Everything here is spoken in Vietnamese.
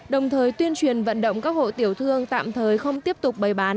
đồng thời tuyên truyền vận động các hộ tiểu thương tạm thời không tiếp tục bày bán